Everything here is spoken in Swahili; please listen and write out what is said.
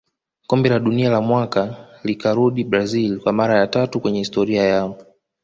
Kombe la dunia la mwaka likarudi brazil kwa mara ya tatu kwenye historia yao